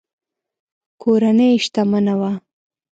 کورنۍ یې شتمنه وه.